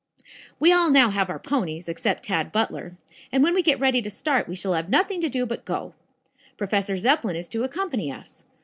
"We all now have our ponies, except Tad Butler, and when we get ready to start we shall have nothing to do but go. Professor Zepplin is to accompany us.